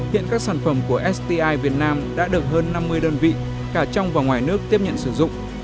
hiện các sản phẩm của sti việt nam đã được hơn năm mươi đơn vị cả trong và ngoài nước tiếp nhận sử dụng